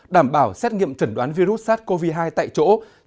đảm bảo xét nghiệm chẩn đoán virus sars cov hai tại chỗ